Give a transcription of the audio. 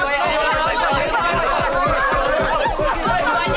udah gak usah gue aja